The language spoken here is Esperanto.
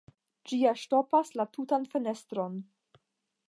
Ĝi ja ŝtopas la tutan fenestron.